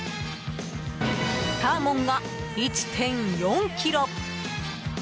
サーモンが１．４ｋｇ。